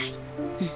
うん。